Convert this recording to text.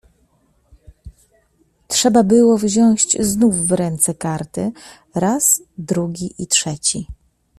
"Trzeba było wziąć znów w ręce karty, raz, drugi i trzeci."